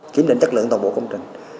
kiểm định chất lượng toàn bộ công trình